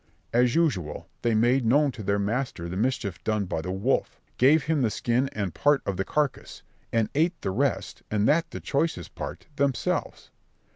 As usual, they made known to their master the mischief done by the wolf, gave him the skin and part of the carcase, and ate the rest, and that the choicest part, themselves.